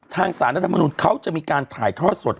ทางศาลรัฐมนุษย์เขาจะมีการถ่ายทอดสด